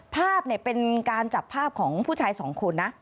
ภาพเป็นการจับภาพของผู้ชายสองคนนะ